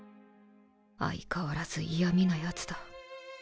相変わらず嫌みなヤツだ